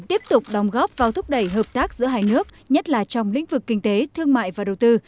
tiếp tục đóng góp vào thúc đẩy hợp tác giữa hai nước nhất là trong lĩnh vực kinh tế thương mại và đầu tư